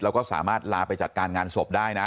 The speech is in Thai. แล้วก็สามารถลาไปจัดการงานศพได้นะ